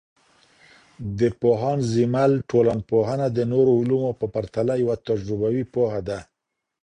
د پوهاند زیمل ټولنپوهنه د نورو علومو په پرتله یوه تجربوي پوهه ده.